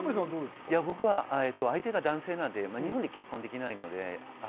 僕は相手が男性なので結婚できないので日本では。